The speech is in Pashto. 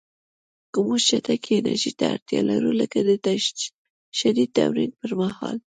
که موږ چټکې انرژۍ ته اړتیا لرو، لکه د شدید تمرین پر مهال